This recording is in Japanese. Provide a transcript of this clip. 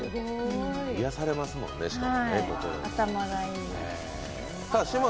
癒されますもんね、しかも心が。